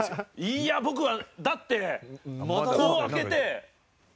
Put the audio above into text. いや僕はだってこう開けて。